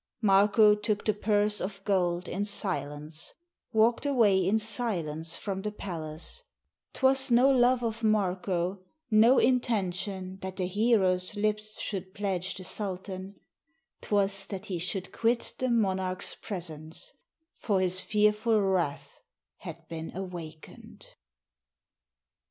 Marko took the purse of gold in silence, Walk'd away in silence from the palace; 418 MARKO AND THE TURKS 'T was no love of Marko — no intention That the hero's lips should pledge the sultan: 'T was that he should quit the monarch's presence, For his fearful wrath had been awaken'd.